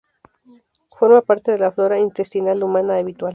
Forma parte de la flora intestinal humana habitual.